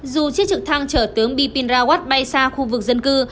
dù chiếc trực thăng trở tướng bipin rawat bay xa khu vực dân cư